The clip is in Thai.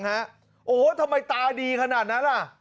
โอ้โหทำไมตาดีขนาดนั้นล่ะ